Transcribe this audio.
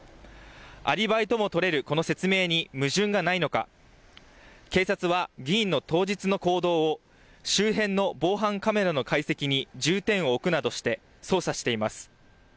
アリバイとも取れるこの説明に矛盾がないのか、警察は議員の当日の行動を周辺の防犯カメラの解析に重点を置くなどして捜査しています。